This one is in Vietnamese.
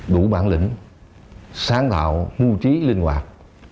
đủ bản lĩnh sáng tạo mưu trí linh hoạt